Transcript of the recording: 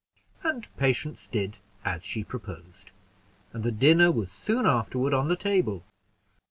And Patience did as she proposed, and the dinner was soon afterward on the table.